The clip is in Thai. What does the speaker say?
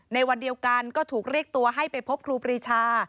ในวันเดียวกันก็ถูกเรียกตัวให้ไปพบครูปรีชา